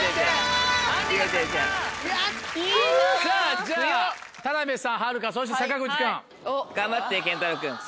さぁじゃあ田辺さんはるかそして坂口君。